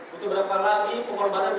butuh berapa lagi pengorbanan